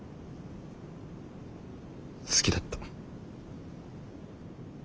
好きだった。